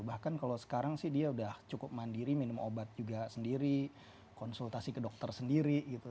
bahkan kalau sekarang sih dia udah cukup mandiri minum obat juga sendiri konsultasi ke dokter sendiri gitu